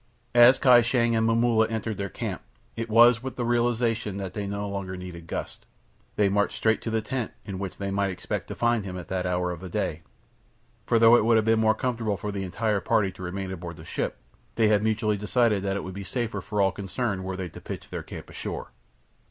As Kai Shang and Momulla entered their camp, it was with a realization that they no longer needed Gust. They marched straight to the tent in which they might expect to find him at that hour of the day, for though it would have been more comfortable for the entire party to remain aboard the ship, they had mutually decided that it would be safer for all concerned were they to pitch their camp ashore.